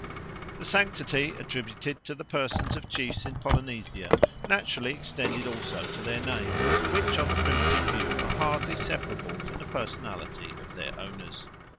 The sanctity attributed to the persons of chiefs in Polynesia naturally extended also to their names, which on the primitive view are hardly separable from the personality of their owners.